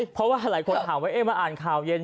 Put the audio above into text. เพราะว่าหลายคนถามว่ามาอ่านข่าวเย็น